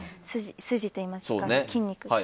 筋といいますか、筋肉が。